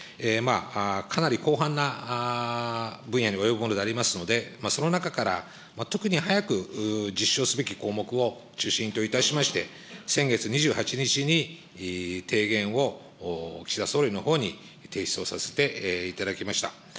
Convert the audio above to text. かなり広範な分野に及ぶものでありますので、その中から特に早く実施をすべき項目を中心といたしまして、先月２８日に提言を岸田総理のほうに提出をさせていただきました。